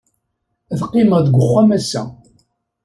Ad qqimeɣ deg uxxam ass-a.